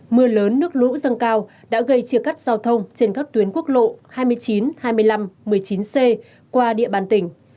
mưa lớn nước lũ dâng cao đã gây chia cắt giao thông trên các tuyến quốc lộ hai mươi chín hai mươi năm một mươi chín c qua địa bàn tỉnh